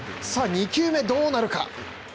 二球目どうなるか。